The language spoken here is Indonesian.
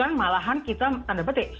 karena malahan kita tanda petik